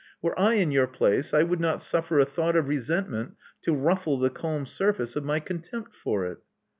Were I in your place, I would not suffer a thought of resentment Xo ruflie the calm surface of my contempt for it.